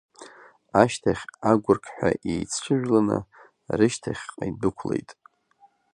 Ашьҭахь агәырқьҳәа еицҽыжәланы рышьҭахьҟьа идәықәлеит.